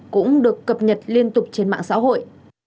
cũng được cập nhật liên tục trên mạng xã hội